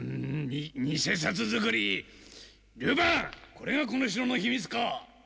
これがこの城の秘密か？